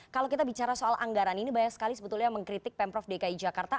kalau kita bicara soal anggaran ini banyak sekali sebetulnya mengkritik pemprov dki jakarta